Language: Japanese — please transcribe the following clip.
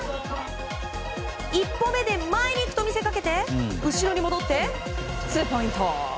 一歩目で前へ行くと見せかけて後ろに戻って、ツーポイント。